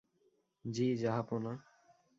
জ্বি, জাহাঁপনা।